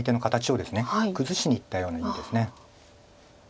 崩しにいったような意味です。